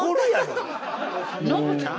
ノブさん？